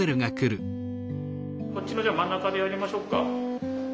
こっちの真ん中でやりましょうか。